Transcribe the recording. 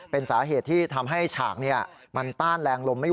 เป็นสาเหตุที่ทำให้ฉากมันต้านแรงลมไม่ไ